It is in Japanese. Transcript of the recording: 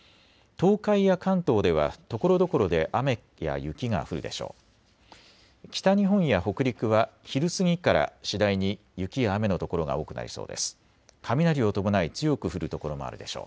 東海や関東ではところどころで雨や雪が降るでしょう。